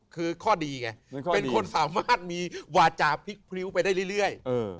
คือข้อดีไงเป็นคนสามารถมีวาจาพลิกพริ้วไปได้เรื่อย